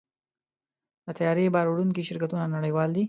د طیارې بار وړونکي شرکتونه نړیوال دي.